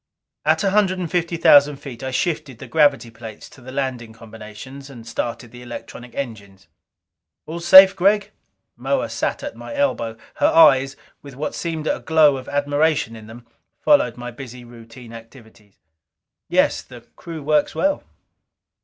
At a hundred and fifty thousand feet I shifted the gravity plates to the landing combinations, and started the electronic engines. "All safe, Gregg?" Moa sat at my elbow; her eyes, with what seem a glow of admiration in them, followed my busy routine activities. "Yes. The crew works well."